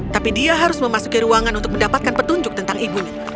tapi dia harus memasuki ruangan untuk mendapatkan petunjuk tentang ibunya